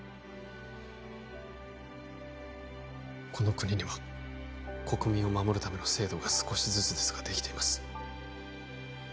この国には国民を守るための制度が少しずつですができています